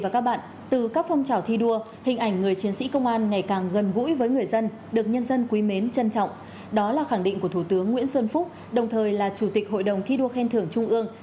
các bạn hãy đăng ký kênh để ủng hộ kênh của chúng mình nhé